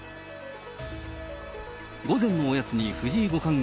午前のおやつに藤井五冠が、